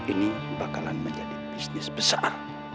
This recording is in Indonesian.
ini bakalan menjadi bisnis besar